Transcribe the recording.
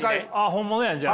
本物やじゃあ。